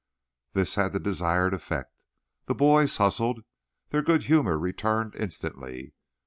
This had the desired effect. The boys hustled. Their good humor returned instantly.